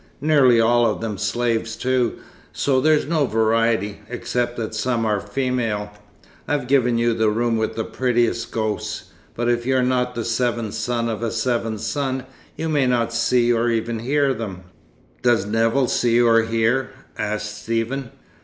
Nearly all of them slaves, too, so there's no variety, except that some are female. I've given you the room with the prettiest ghosts, but if you're not the seventh son of a seventh son, you may not see or even hear them." "Does Nevill see or hear?" asked Stephen.